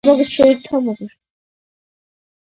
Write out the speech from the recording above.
მიწაში დამარხვა დაკრძალვის ძველი და ყველაზე გავრცელებული წესია.